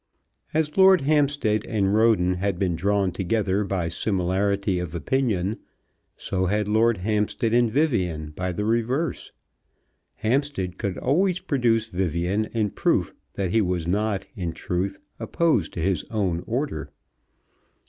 As Lord Hampstead and Roden had been drawn together by similarity of opinion, so had Lord Hampstead and Vivian by the reverse. Hampstead could always produce Vivian in proof that he was not, in truth, opposed to his own order.